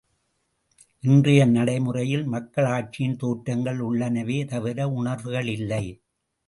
இன்றைய நடைமுறையில் மக்களாட்சியின் தோற்றங்கள் உள்ளனவே தவிர உணர்வுகள் இல்லை.